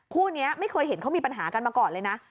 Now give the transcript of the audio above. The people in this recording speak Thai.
คู่นี้ไม่เคยเห็นเขามีปัญหากันมาก่อนเลยนะ